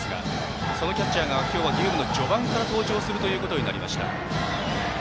そのキャッチャーが今日はゲームの序盤から登場するということになりました。